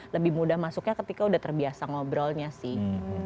lebih mudah masuknya ketika udah terbiasa ngobrolnya sih